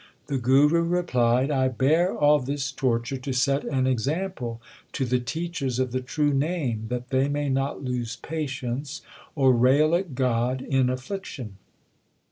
The Guru replied, I bear all this torture to set an example to the teachers of the True Name, that they may not lose patience or rail at God in affliction.